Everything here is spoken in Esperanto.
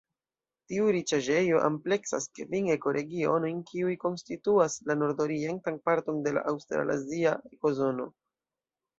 Tiu riĉaĵejo ampleksas kvin ekoregionojn kiuj konstituas la nordorientan parton de la aŭstralazia ekozono.